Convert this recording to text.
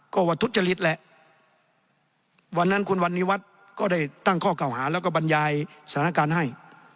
ก็ว่าทุจริตแหละวันนั้นคุณวันนี้วัฒน์ก็ได้ตั้งข้อเก่าหาแล้วก็บรรยายสถานการณ์ให้